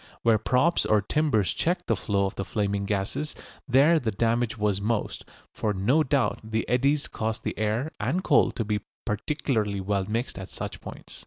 Where props or timbers checked the flow of the flaming gases there the damage was most, for no doubt the eddies caused the air and coal to be particularly well mixed at such points.